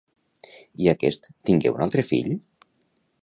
I aquest tingué un altre fill?